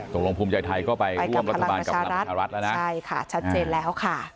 ตรงรองภูมิใจไทยก็ไปร่วมรัฐบาลกับรัฐใช่ค่ะชัดเจนแล้วค่ะ